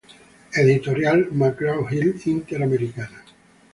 McGraw-Hill Interamericana.